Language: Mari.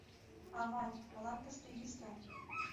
— Авай, молан тыште йӱштӧ?